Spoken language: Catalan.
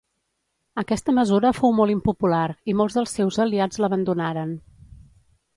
Aquesta mesura fou molt impopular i molts dels seus aliats l'abandonaren.